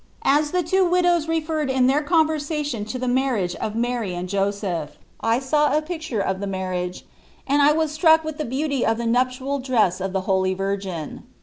As the two widows referred in their conversation to the marriage of Mary and Joseph, I saw a picture of the marriage, and I was struck with the beauty of the nuptial dress of the Holy Virgin.